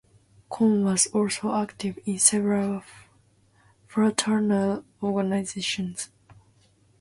Conn was also active in several fraternal organizations.